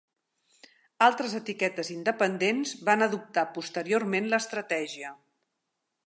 Altres etiquetes independents van adoptar posteriorment l'estratègia.